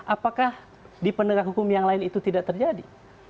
apakah di penegak hukum yang lain itu tidak terjadi